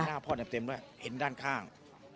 หน้าพ่อเต็มด้วยเห็นด้านข้าง